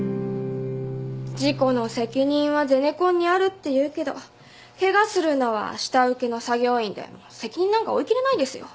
事故の責任はゼネコンにあるっていうけどケガするのは下請けの作業員で責任なんか負いきれないですよ。